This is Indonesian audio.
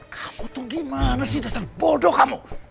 kamu tuh gimana sih dasar bodoh kamu